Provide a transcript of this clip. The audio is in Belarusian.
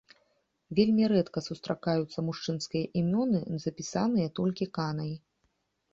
Вельмі рэдка сустракаюцца мужчынскія імёны, запісаныя толькі канай.